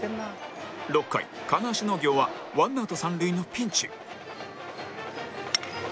６回金足農業はワンアウト三塁のピンチ